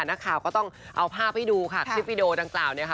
นักข่าวก็ต้องเอาภาพให้ดูค่ะคลิปวิดีโอดังกล่าวเนี่ยค่ะ